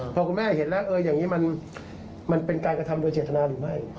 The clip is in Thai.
พอคุณแม่เห็นแล้วอย่างนี้มันเป็นการกระทำโดยเจตนาหรือไม่